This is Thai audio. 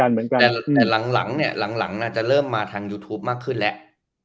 เหมือนกันหลังจะเริ่มมาทางยูทูปมากขึ้นแหละ